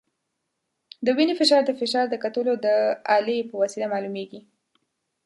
د وینې فشار د فشار د کتلو د الې په وسیله معلومېږي.